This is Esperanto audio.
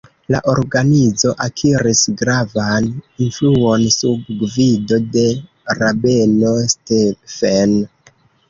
La organizo akiris gravan influon sub gvido de rabeno Stephen.